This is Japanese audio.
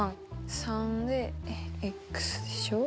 ３ででしょ。